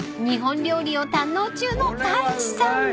［日本料理を堪能中の太一さん］